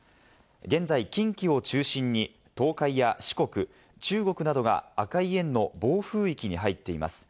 現在、近畿を中心に東海や四国、中国などが赤い円の暴風域に入っています。